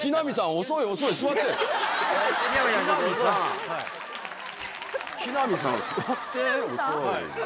遅い。